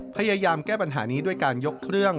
พยายามแก้ปัญหานี้ด้วยการยกเครื่อง